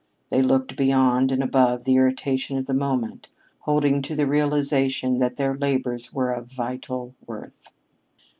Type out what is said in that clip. They looked beyond and above the irritation of the moment, holding to the realization that their labors were of vital worth.